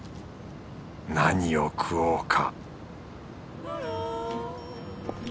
何を食おうか